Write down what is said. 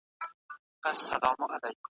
د غميزي ورځي شريعت څنګه ټاکلي دي؟